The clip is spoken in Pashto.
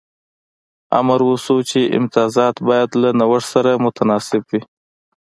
امر وشو چې امتیازات باید له نوښت سره متناسب وي